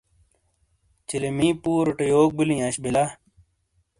چیلمی پوروٹے یوک بیلی اش بیلا؟